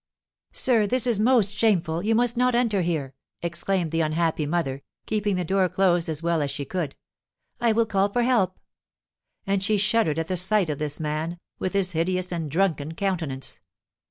"Sir, this is most shameful; you must not enter here," exclaimed the unhappy mother, keeping the door closed as well as she could. "I will call for help." And she shuddered at the sight of this man, with his hideous and drunken countenance.